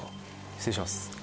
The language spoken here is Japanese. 失礼します。